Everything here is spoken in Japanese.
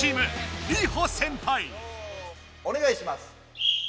おねがいします。